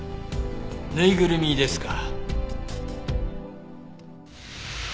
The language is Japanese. ぬいぐるみですか？